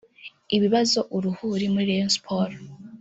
ibibazo uruhuri muri Rayon Sports